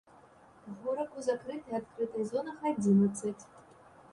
Горак у закрытай і адкрытай зонах адзінаццаць.